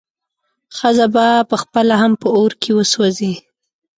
ښځه به پخپله هم په اور کې وسوځي.